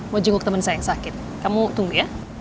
mau jenguk teman saya yang sakit kamu tunggu ya